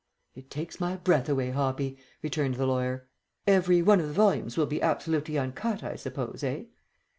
"It takes my breath away, Hoppy," returned the lawyer. "Every one of the volumes will be absolutely uncut, I suppose, eh?"